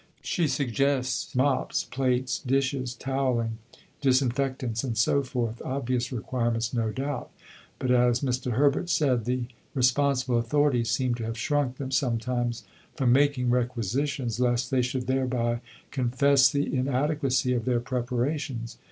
She suggests mops, plates, dishes, towelling, disinfectants, and so forth, obvious requirements, no doubt, but, as Mr. Herbert said, the responsible authorities seem to have shrunk sometimes from making requisitions lest they should thereby confess the inadequacy of their preparations.